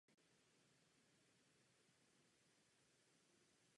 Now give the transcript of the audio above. Zaprvé, zaměstnanci.